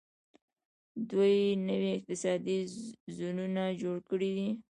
دوی نوي اقتصادي زونونه جوړ کړي دي.